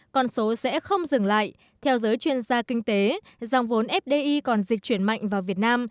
còn số sẽ không dừng lại theo giới chuyên gia kinh tế dòng vốn fdi còn dịch chuyển mạnh vào việt nam